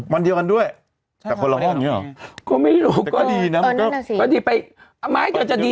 วันเดียวกันด้วยแต่คนเราหรอ